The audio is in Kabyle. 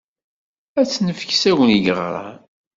Ad tt-nefk s Agni Ggeɣran.